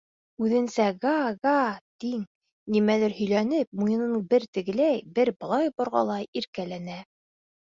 Үҙенсә «га-га га!» тин, нимәлер һөйләнеп, муйынын бер тегеләй, бер былай борғолай, иркәләнә.